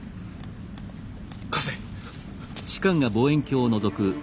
貸せ！